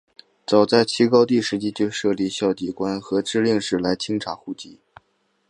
早在齐高帝时期就设立校籍官和置令史来清查户籍。